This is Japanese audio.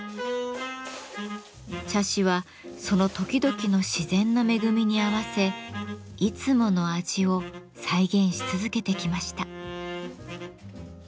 茶師はその時々の自然の恵みに合わせいつもの味を再現し続けてきました。